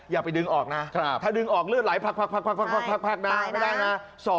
อย่าไปดึงออกนะถ้าดึงออกเลือดไหลพักนะไม่ได้นะ